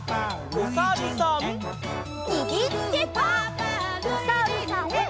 おさるさん。